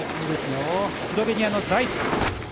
スロベニアのザイツ。